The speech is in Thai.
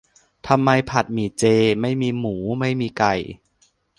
ทำไมผัดหมี่เจไม่มีหมูไม่มีไก่ :'